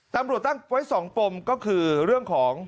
ตำรวจตั้งไว้๒ปมก็คือเรื่องของ